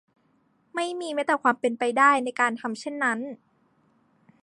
ไม่มีแม้แต่ความเป็นไปได้ในการทำเช่นนั้น